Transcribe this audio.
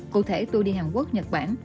cụ thể tua đi hàn quốc nhật bản